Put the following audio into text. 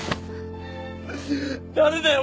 誰だよ！